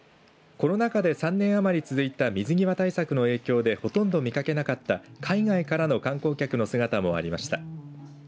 コロナ禍で３年余り続いた水際対策の影響でほとんど見かけなかった海外からの観光客の姿もありました。